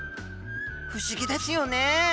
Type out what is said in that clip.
不思議ですよね。